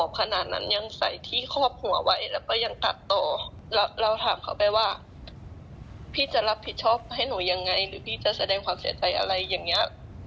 พี่จะรับผิดชอบให้หนูยังไงหรือพี่จะแสดงความเสียใจอะไรอย่างนี้